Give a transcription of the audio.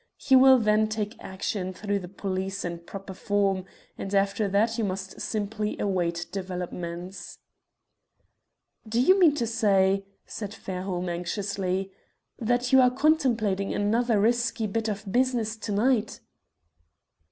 He will then take action through the police in proper form, and after that you must simply await developments." "Do you mean to say," said Fairholme, anxiously, "that you are contemplating another risky bit of business to night?"